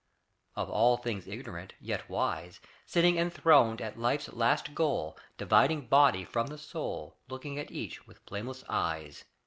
Of all things ignorant, yet wise, Sitting enthroned at life's last goal, Dividing body from the soul, Looking at each with flameless eyes.